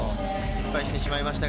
失敗してしまいました。